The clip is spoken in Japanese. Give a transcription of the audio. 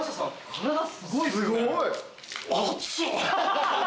体すごいっすね。